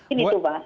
ini itu pak